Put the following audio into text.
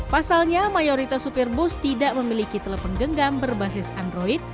pasalnya mayoritas supir bus tidak memiliki telepenggenggam berbasis android